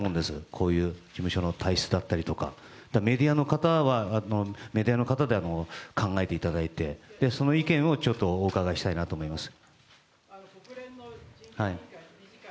こういう事務所の体質だったり、メディアの方はメディアの方で考えていただいて、その意見をお伺いしたいなと思います。